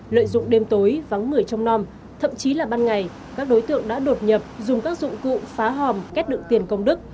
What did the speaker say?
lợi dụng đêm tối vắng mười trong năm thậm chí là ban ngày các đối tượng đã đột nhập dùng các dụng cụ phá hòm kết đựng tiền công đức